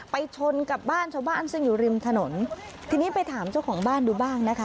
ชนกับบ้านชาวบ้านซึ่งอยู่ริมถนนทีนี้ไปถามเจ้าของบ้านดูบ้างนะคะ